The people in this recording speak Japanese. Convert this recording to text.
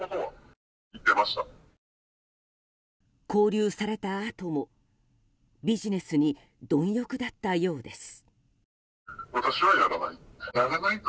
勾留されたあともビジネスに貪欲だったようです。